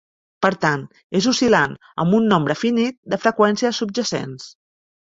Per tant, és oscil·lant, amb un nombre finit de freqüències subjacents.